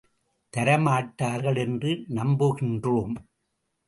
தரமாட்டார்கள் என்று நம்புகின்றோம்!